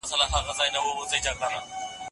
په کونړيانو کي وهابي نظره خلک ډير دي